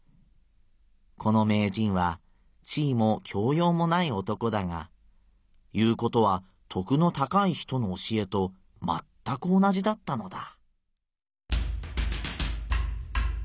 この名人は地いも教ようもない男だが言うことはとくの高い人の教えとまったく同じだったのだ」。